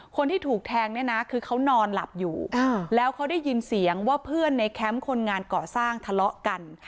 คนที่ถูกแทงเนี่ยนะคือเขานอนหลับอยู่แล้วเขาได้ยินเสียงว่าเพื่อนในแคมป์คนงานก่อสร้างทะเลาะกัน